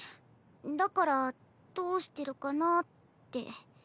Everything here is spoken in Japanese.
だからどうしてるかなあって。